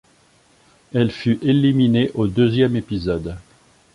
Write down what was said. Elle fut éliminée au deuxième épisode.